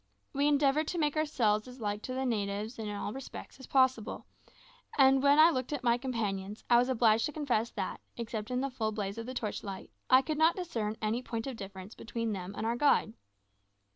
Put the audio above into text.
We endeavoured to make ourselves as like to the natives in all respects as possible; and when I looked at my companions, I was obliged to confess that, except in the full blaze of the torch light, I could not discern any point of difference between them and our guide.